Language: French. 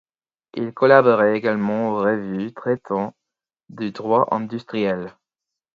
Il collaborait également aux revues traitant du droit industriel.